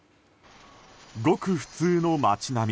ごく普通の街並み。